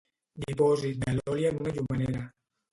Dipòsit de l'oli en una llumenera.